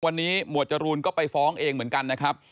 วันนี้หมวดจรูนก็ไปฟ้องเองเหมือนกันนะครับ